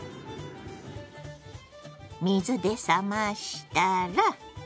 水で冷ましたら。